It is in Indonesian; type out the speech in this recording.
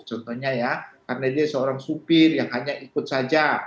contohnya ya karena dia seorang supir yang hanya ikut saja